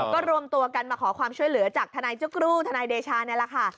ก็รวมตัวกันมาขอความช่วยเหลือจากทนายจุ๊กรูทนายเดชานี่แหละค่ะ